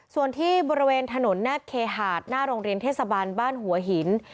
ส่วนที่บริเวณถนนแนบเคหาดหน้าโรงเรียนเทศบาลบ้านหัวหิน